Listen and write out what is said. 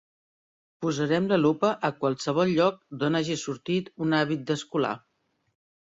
Posarem la lupa a qualsevol lloc d'on hagi sortit un hàbit d'escolà.